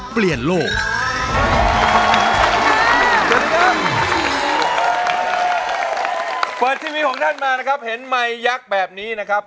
เปิดทีวีของฉันมาครับเห็นไม้ยักษ์แบบนี้นะครับ